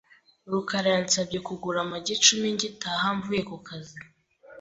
rukara yansabye kugura amagi icumi ngitaha mvuye ku kazi .